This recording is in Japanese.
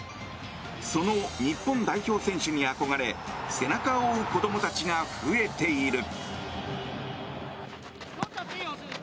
その日本代表の選手に憧れ背中を追う子供たちが増えている。